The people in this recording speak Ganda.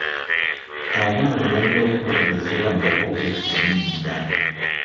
Abaana balina okubonerezebwa nga boogedde ennimi endala.